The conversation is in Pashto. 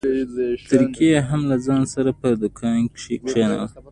تورکى يې هم له ځان سره په دوکان کښې کښېناوه.